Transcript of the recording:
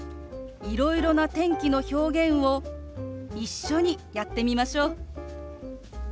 いろいろな天気の表現を一緒にやってみましょう。